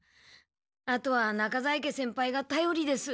あとは中在家先輩がたよりです。